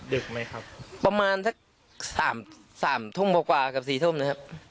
ดึกไหมครับประมาณสักสามสามทุ่มกว่ากว่ากับสี่ทุ่มนะครับ